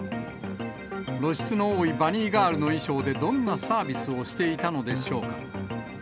露出の多いバニーガールの衣装でどんなサービスをしていたのでしょうか。